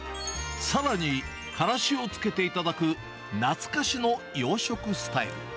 さらにからしをつけていただく、懐かしの洋食スタイル。